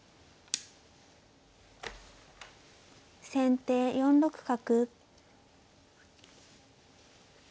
先手４六角。